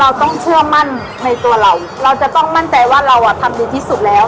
เราจะต้องมั่นใจว่าเราอ่ะทำดีที่สุดแล้ว